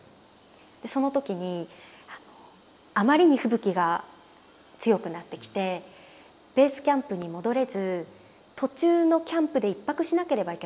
その時にあまりに吹雪が強くなってきてベースキャンプに戻れず途中のキャンプで１泊しなければいけなかったんですね。